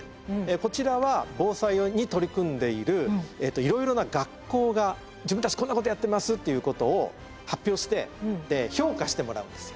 こちらは防災に取り組んでいるいろいろな学校が「自分たちこんなことやってます」っていうことを発表して評価してもらうんですよ。